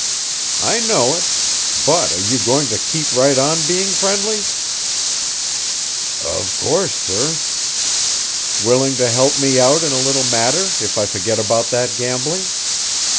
"I know it. But are you going to keep right on being friendly?" "Of course, sir." "Willing to help me out in a little matter if I forget about that gambling?"